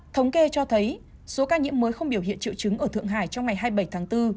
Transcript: thống kê cho thấy số ca nhiễm mới không biểu hiện triệu chứng ở thượng hải trong ngày hai mươi bảy tháng bốn